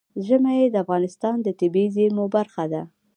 ژمی د افغانستان د طبیعي زیرمو برخه ده.